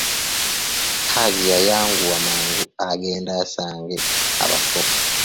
Hajji yayanguwa mangu agende asange abako.